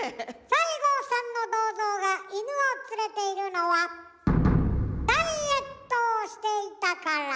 西郷さんの銅像が犬を連れているのはダイエットをしていたから。